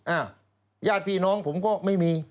ญาติพี่น้องผมก็ไม่มี